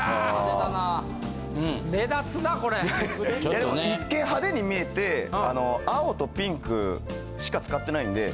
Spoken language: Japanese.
でも一見派手に見えて青とピンクしか使ってないんで。